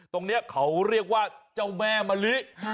ตรงนี้เขาเรียกว่าเจ้าแม่มะลิ